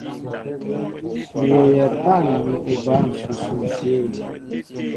M̀ wooyɛ pân ni oba ǹsʉsʉ ǹshyə̂.